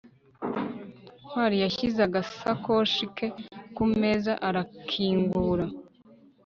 ntwali yashyize agasakoshi ke kumeza arakingura